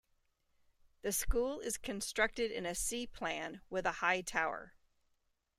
The school is constructed in a C-plan, with a high tower.